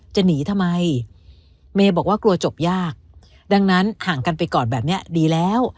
จะหนีทำไมเมย์บอกว่ากลัวจบยากดังนั้นห่างกันไปก่อนแบบนี้ดีแล้ว